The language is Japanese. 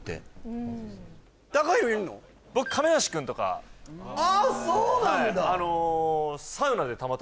僕亀梨君とかあっそうなんだ！